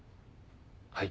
はい。